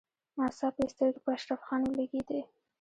ناڅاپه يې سترګې په اشرف خان ولګېدې.